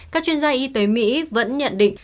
các chuyên gia y tế mỹ vẫn nhận định